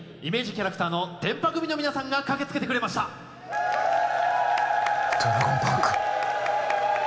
キャラクターのてんぱ組の皆さんが駆けつけてくれましたドラゴンバンク？